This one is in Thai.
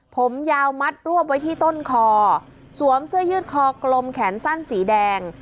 ผมยาวมัดรวบไว้ที่ต้นคอสวมเสื้อยืดคอกลมแขนสั้นสีแดง